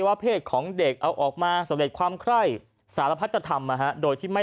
ว่าเพศของเด็กเอาออกมาสำเร็จความไคร้สารพัฒธรรมโดยที่ไม่